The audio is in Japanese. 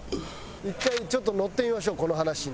１回ちょっと乗ってみましょうこの話に。